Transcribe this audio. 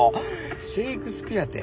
シェークスピアて。